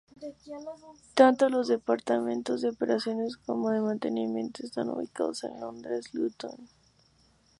Tanto los departamentos de operaciones como de mantenimiento están ubicados en Londres Luton.